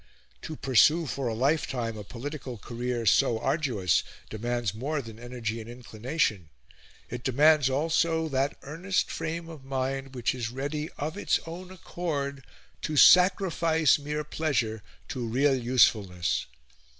To pursue for a lifetime a political career so arduous demands more than energy and inclination it demands also that earnest frame of mind which is ready of its own accord to sacrifice mere pleasure to real usefulness.